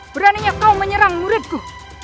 beraninya kau menyerang muridku